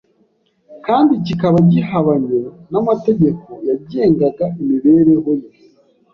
kandi kikaba gihabanye n'amategeko yagengaga imibereho ye.